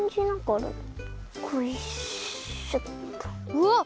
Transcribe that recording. うわっ！